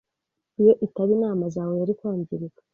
Iyo itaba inama zawe, yari kwangirika.